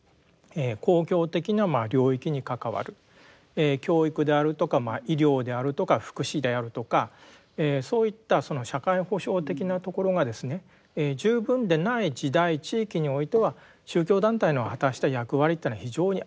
公共的な領域に関わる教育であるとかまあ医療であるとか福祉であるとかそういったその社会保障的なところが十分でない時代・地域においては宗教団体の果たした役割というのは非常にあったと思うんですね。